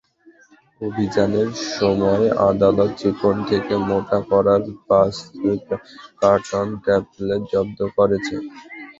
অভিযানের সময় আদালত চিকন থেকে মোটা করার পাঁচ কার্টন ট্যাবলেট জব্দ করেছে।